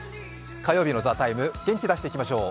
火曜日の「ＴＨＥＴＩＭＥ，」元気出していきましょう。